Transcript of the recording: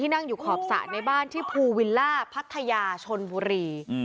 นั่งอยู่ขอบสระในบ้านที่ภูวิลล่าพัทยาชนบุรี